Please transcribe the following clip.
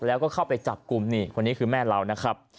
แล้วก็เข้าไปจับกลุ่มนี่คนนี้คือแม่เรานะครับ